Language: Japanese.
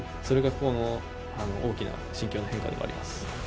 それが大きな心境の変化ではあります。